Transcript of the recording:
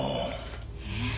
えっ？